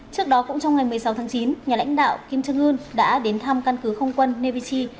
trước đó cũng trong ngày một mươi sáu tháng chín nhà lãnh đạo kim trương ưn đã đến thăm căn cứ không quân nevichi